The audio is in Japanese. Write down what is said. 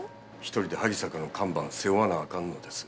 １人で萩坂の看板背負わなあかんのです。